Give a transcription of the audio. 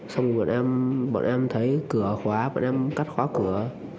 xong bọn em thấy cửa khóa bọn em cắt khóa cửa